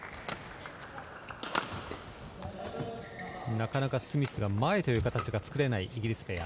なかなかスミスが前という形が作れない作れないイギリスペア。